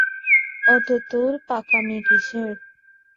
অত তোর পাকামি কিসের?